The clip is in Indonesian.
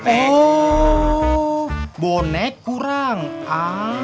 oh bonek kurang a